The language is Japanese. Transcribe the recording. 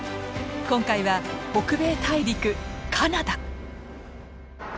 今回は北米大陸カナダ！